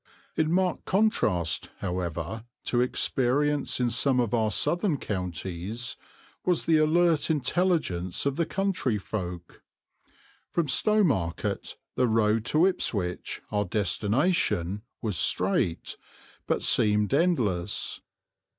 In marked contrast, however, to experience in some of our southern counties, was the alert intelligence of the country folk. From Stowmarket the road to Ipswich, our destination, was straight, but seemed endless.